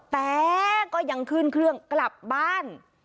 แต่ก็ยังขึ้นเครื่องกลับบ้าน